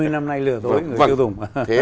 ba mươi năm nay lừa tối người tiêu dùng